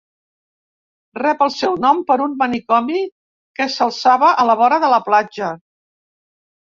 Rep el seu nom per un manicomi que s'alçava a la vora de la platja.